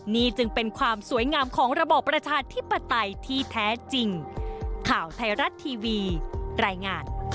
นี่จึงเป็นความสวยงามของระบบประชาธิปไตยที่แท้จริง